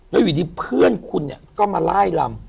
แล้วอยู่ดีเพื่อนคุณเนี่ยก็มาไล่ลำ